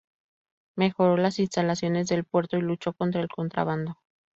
Mejoró las instalaciones del puerto y luchó contra el contrabando.